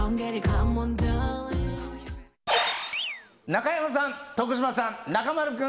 中山さん、徳島さん、中丸君。